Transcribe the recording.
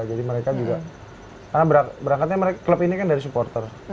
jadi mereka juga karena berangkatnya klub ini kan dari supporter